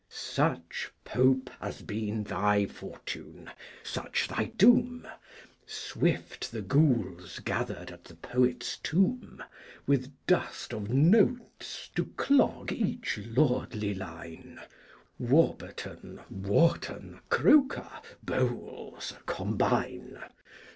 Such, Pope, has been thy Fortune, such thy Doom. Swift the Ghouls gathered at the Poet's Tomb, With Dust of Notes to clog each lordly Line, Warburton, Warton, Croker, Bowles, combine!